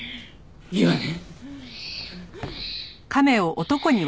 いいわね？